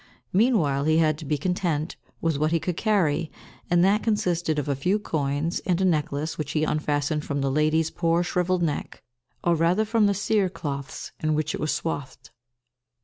Meanwhile he had to be content with what he could carry, and that consisted of a few coins, and a necklace which he unfastened from the lady's poor shrivelled neck, or rather from the cere cloths in which it was swathed.